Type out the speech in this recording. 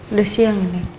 udah siang ini